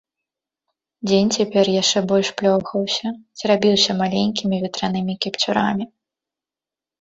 Дзень цяпер яшчэ больш плёхаўся, церабіўся маленькімі ветранымі кіпцюрамі.